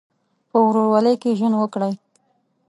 په ورورولۍ کې ژوند وکړئ.